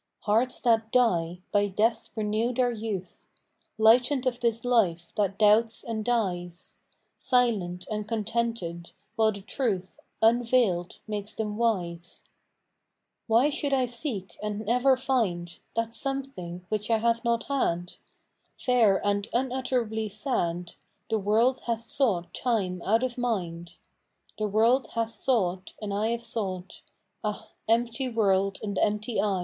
Hearts that die, by death renew their youth, Lightened of this life that doubts and dies, Silent and contented, while the Truth Unveiled makes them wise. Why should I seek and never find That something which I have not had ? Fair and unutterably sad The world hath sought time out of mind ; The world hath sought and I have sought, — Ah, empty world and empty I!